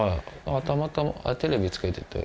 あったまたまテレビつけてて。